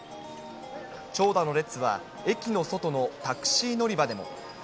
長蛇の列は駅の外のタクシー乗り場でも。